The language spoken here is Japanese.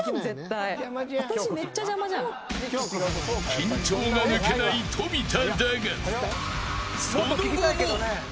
緊張が抜けない富田だがその後も。